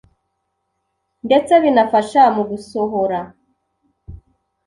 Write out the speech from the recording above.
Ndetse binafasha mu gusohora